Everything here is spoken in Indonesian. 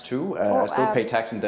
tidak tidak begitu tinggi